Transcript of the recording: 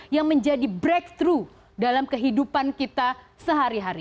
yang menjadi breakthrough dalam kehidupan kita sehari hari